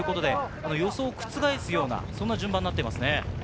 予想を覆す順番になっていますね。